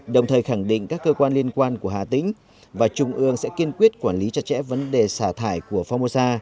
đồng thời khẳng định các cơ quan liên quan của hà tĩnh và trung ương sẽ kiên quyết quản lý chặt chẽ vấn đề xả thải của phongmosa